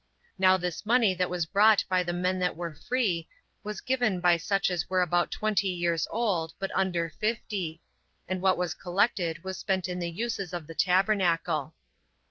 Now this money that was brought by the men that were free, was given by such as were about twenty years old, but under fifty; and what was collected was spent in the uses of the tabernacle.